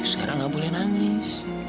sekarang gak boleh nangis